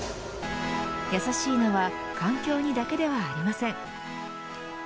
やさしいのは環境にだけではありません。